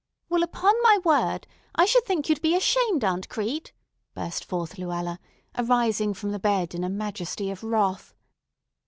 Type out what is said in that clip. "Well, upon my word! I should think you'd be ashamed, Aunt Crete!" burst forth Luella, arising from the bed in a majesty of wrath.